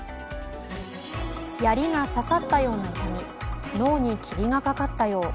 やりが刺さったような痛み、脳に霧がかかったよう。